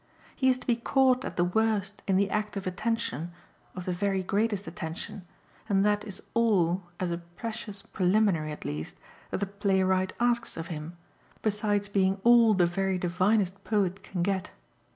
He is to be caught at the worst in the act of attention, of the very greatest attention, and that is all, as a precious preliminary at least, that the playwright asks of him, besides being all the very divinest poet can get.